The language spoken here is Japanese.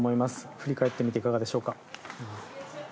振り返ってみていかがでしょうか？